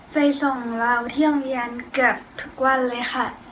ไปส่งเราที่โรงเรียนเกือบทุกวันเลยค่ะ